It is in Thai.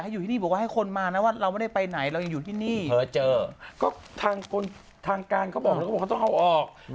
ไปทุบศาลเขาไปออกรายการมันสนุก